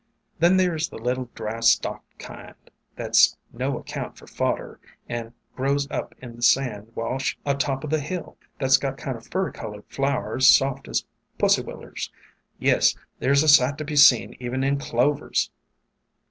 Then there 's the little, dry stalked kind, that 's no account for fodder and grows up in the sand wash o' top of the hill, that 's got kind o' furry colored flowers soft as Pussy Willers. Yes, there 's a sight to be seen even in Clovers